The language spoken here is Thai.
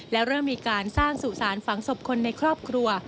และเริ่มมีการสร้างสุสานฝังศพคนในครอบครัว